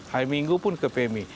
hari minggu pun ke pemi